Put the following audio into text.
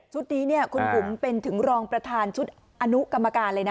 นี้คุณบุ๋มเป็นถึงรองประธานชุดอนุกรรมการเลยนะ